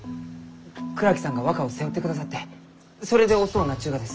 倉木さんが若を背負ってくださってそれで遅うなっちゅうがです。